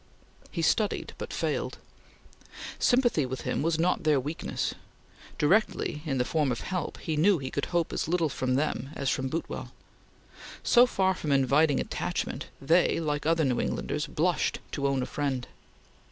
He studied, but failed. Sympathy with him was not their weakness. Directly, in the form of help, he knew he could hope as little from them as from Boutwell. So far from inviting attachment they, like other New Englanders, blushed to own a friend.